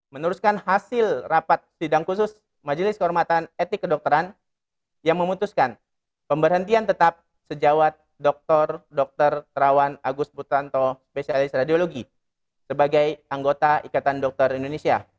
meneruskan hasil rapat sidang khusus majelis kehormatan etik kedokteran yang memutuskan pemberhentian tetap sejawat dr dr terawan agus putranto spesialis radiologi sebagai anggota ikatan dokter indonesia